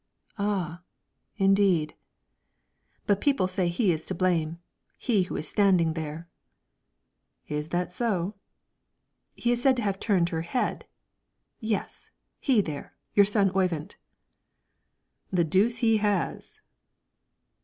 "Ah, indeed." "But people say he is to blame; he who is standing there." "Is that so?" "He is said to have turned her head yes; he there, your son Oyvind." "The deuce he has!"